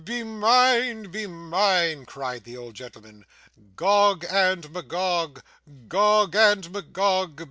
'Be mine, be mine,' cried the old gentleman. 'Gog and Magog, Gog and Magog.